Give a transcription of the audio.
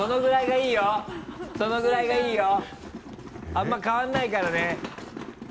あんまり変わんないからね。